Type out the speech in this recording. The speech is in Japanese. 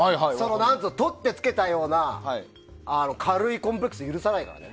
とってつけたような軽いコンプレックスは許さないからね。